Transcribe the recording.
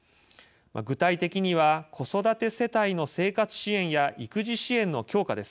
具体的には、子育て世帯の生活支援や育児支援の強化です。